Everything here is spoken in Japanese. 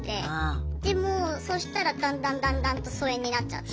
でもうそしたらだんだんだんだんと疎遠になっちゃって。